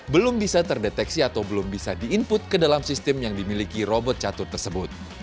belum bisa terdeteksi atau belum bisa di input ke dalam sistem yang dimiliki robot catur tersebut